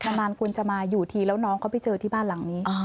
นานคุณจะมาอยู่ทีแล้วน้องเขาไปเจอที่บ้านหลังนี้